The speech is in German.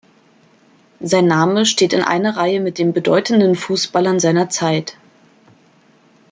Sein Name steht in einer Reihe mit den bedeutenden Fußballern seiner Zeit.